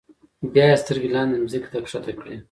بیا یې سترګې لاندې ځمکې ته ښکته کړې.